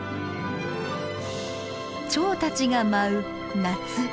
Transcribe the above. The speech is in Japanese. チョウたちが舞う夏。